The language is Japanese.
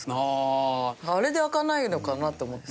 あれで開かないのかなと思って。